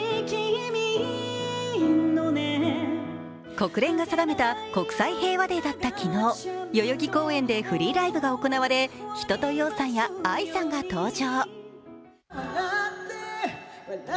国連が定めた国際平和デーだった昨日、代々木公園でフリーライブが行われ一青窈さんやＡＩさんが登場。